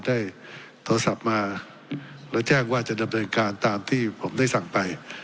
ได้โทรศัพท์มาแล้วแจ้งว่าจะดำเนินการตามที่ผมได้สั่งไป